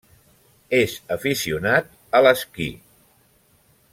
És aficionat a l'esquí.